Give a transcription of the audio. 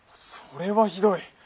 それはひどい。